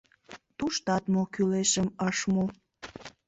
Туштат мо кӱлешым ыш му.